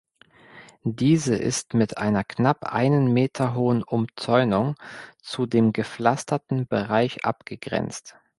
Diese ist mit einer knapp einen Meter hohen Umzäunung zu dem gepflasterten Bereich abgegrenzt.